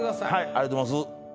ありがとうございます。